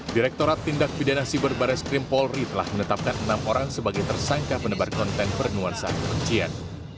direktorat tindak pidana siber barres krim polri telah menetapkan enam orang sebagai tersangka penebar konten bernuansa kebencian